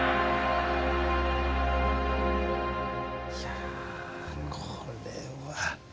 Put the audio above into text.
いやあこれは。